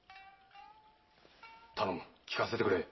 頼む聞かせてくれ。